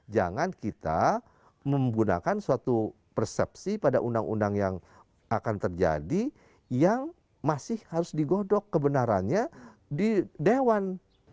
jangan kita menggunakan suatu persepsi pada undang undang yang akan terjadi yang masih harus digodok kebenarannya di dewan